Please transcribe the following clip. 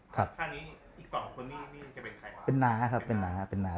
ดังนั้นอีก๒คนนี่เป็นใคร